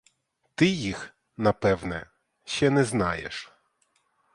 Ти їх, напевне, ще не знаєш.